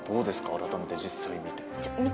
改めて実際見て。